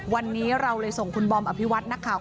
วันนี้เราเลยส่งคุณบอมอภิวัตินักข่าว